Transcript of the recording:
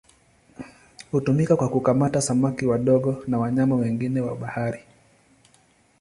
Hutumika kwa kukamata samaki wadogo na wanyama wengine wa bahari.